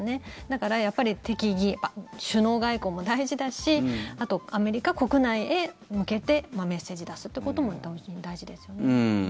だから適宜、首脳外交も大事だしあと、アメリカ国内へ向けてメッセージを出すってことも大事ですよね。